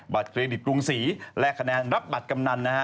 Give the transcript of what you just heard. เครดิตกรุงศรีและคะแนนรับบัตรกำนันนะฮะ